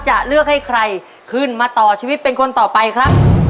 จะเลือกให้ใครขึ้นมาต่อชีวิตเป็นคนต่อไปครับ